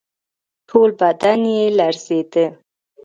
ټول بدن یې لړزېده.